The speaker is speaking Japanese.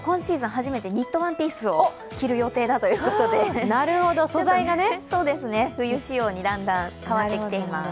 初めてニットワンピースを着る予定だということで、素材が冬仕様にだんだん変わってきています。